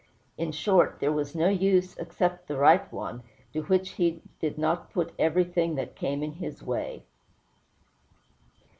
In short, there was no use, except the right one, to which he did not put everything that came in his way.